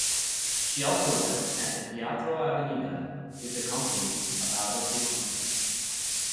She also worked at the "Teatro Avenida" with the company of Alves da Cunha.